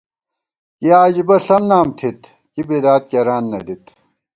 کی عجیبہ ݪم نام تھِت، کی بدعت کېران نہ دِت